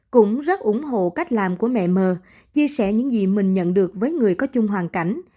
cũng rất ủng hộ cách làm của mẹ mờ chia sẻ những gì mình nhận được với người có chung hoàn cảnh